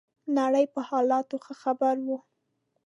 نړۍ په حالاتو ښه خبر وو.